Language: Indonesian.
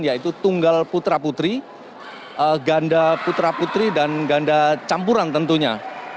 yaitu tunggal putra putri ganda putra putri dan ganda campuran tentunya